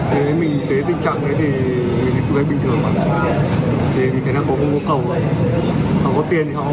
thế mình tới tình trạng đấy thì mình thấy tình trạng bình thường